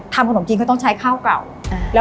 ขนมจีนก็ต้องใช้ข้าวเก่า